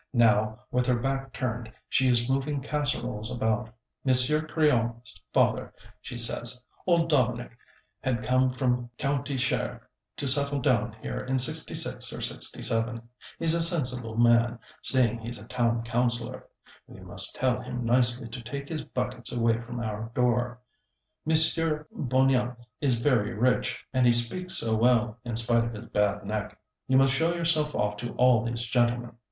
Now, with her back turned, she is moving casseroles about. "Monsieur Crillon's father," she says, "old Dominic, had come from County Cher to settle down here in '66 or '67. He's a sensible man, seeing he's a town councilor. (We must tell him nicely to take his buckets away from our door.) Monsieur Bonéas is very rich, and he speaks so well, in spite of his bad neck. You must show yourself off to all these gentlemen.